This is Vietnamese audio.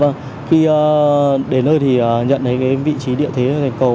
vâng khi đến nơi thì nhận thấy cái vị trí địa thế trên cầu